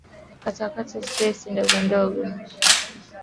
katakata slesi ndiogondogo